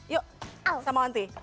yuk sama aunty